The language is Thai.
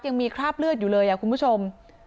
ยังมีคราบเลือดอยู่เลยคุณผู้ชม